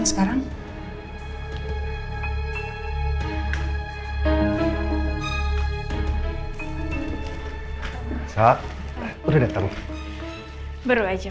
sudah selesai aja